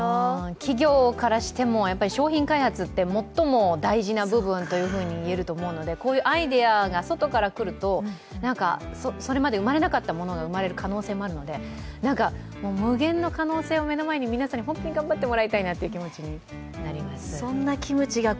企業からしても商品開発って最も大事な部分っていえると思うのでこういうアイデアが外から来るとそれまで生まれなかった物が生まれる可能性もあるので無限の可能性を皆さんに本当に頑張ってもらいたいなという気持ちになります。